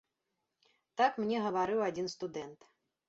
Так мне гаварыў адзін студэнт.